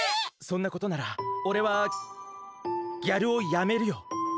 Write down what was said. そんなことならおれはギャルおをやめるよ。